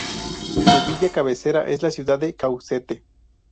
Su villa cabecera es la ciudad de Caucete.